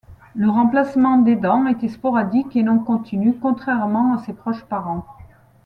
Le remplacement des dents était sporadique et non continu, contrairement à ses proches parents.